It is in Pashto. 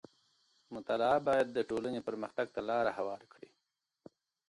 مطالعه بايد د ټولنې پرمختګ ته لار هواره کړي.